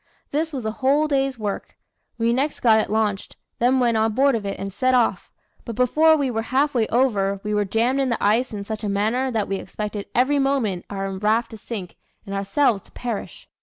This was a whole day's work; we next got it launched, then went on board of it, and set off; but before we were half way over, we were jammed in the ice in such a manner that we expected every moment our raft to sink and ourselves to perish.